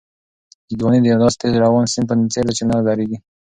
ځواني د یو داسې تېز روان سیند په څېر ده چې نه درېږي.